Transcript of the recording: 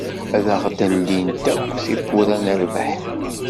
Ad aɣ-d-ldint akk tewwura n rrbeḥ.